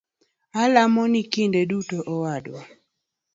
Alemoni kinde duto owadwa